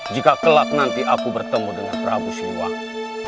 jika kelak nanti aku bertemu dengan prabu siwan